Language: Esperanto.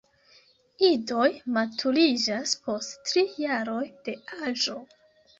Idoj maturiĝas post tri jaroj de aĝo.